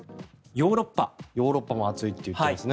ヨーロッパも暑いといっていますね。